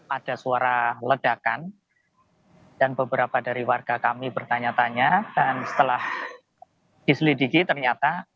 ada suara ledakan dan beberapa dari warga kami bertanya tanya dan setelah diselidiki ternyata